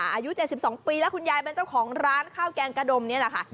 อายุ๗๒ปีแล้วคุณยายเป็นเจ้าของร้านข้าวแกงกระดมนี่แหละค่ะ